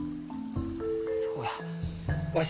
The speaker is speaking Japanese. そうやわし